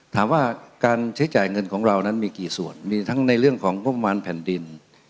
ถามว่าการใช้จ่ายเงินของเรานั้นมีกี่ส่วนมีทั้งในเรื่องของงบประมาณแผ่นดิน